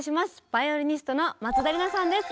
バイオリニストの松田理奈さんです。